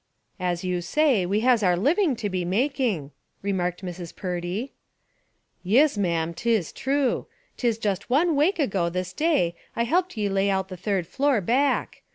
"As you say, we has our living to be making," remarked Mrs. Purdy. "Yis, ma'am; 'tis true. 'Tis just one wake ago this day I helped ye lay out the third floor, back.